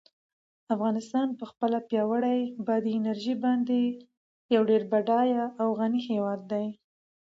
افغانستان په خپله پیاوړې بادي انرژي باندې یو ډېر بډای او غني هېواد دی.